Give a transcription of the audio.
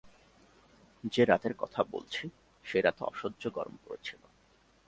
যে-রাতের কথা বলছি, সে-রাতে অসহ্য গরম পড়েছিল।